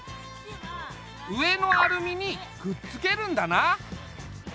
上のアルミにくっつけるんだな。